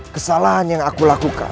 kesalahan yang aku lakukan